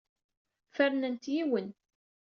Fernet yiwen.